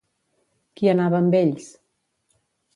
Qui anava amb ells?